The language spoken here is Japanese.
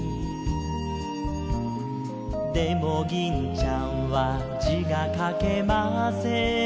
「でも銀ちゃんは字が書けません」